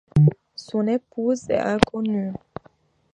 Son épouse est inconnue.